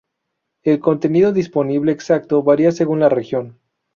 El contenido disponible exacto varía según la región.